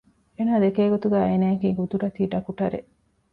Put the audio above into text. އޭނާ ދެކޭ ގޮތުގައި އޭނާއަކީ ގުދުރަތީ ޑަކުޓަރެއް